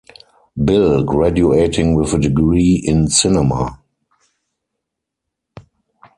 Bill, graduating with a degree in Cinema.